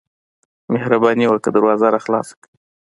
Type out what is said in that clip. مهرباني وکړه دروازه راخلاصه کړه.